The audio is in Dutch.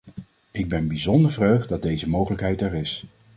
Ik ben bijzonder verheugd dat deze mogelijkheid er is.